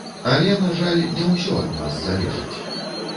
Але, на жаль, не ўсё ад нас залежыць.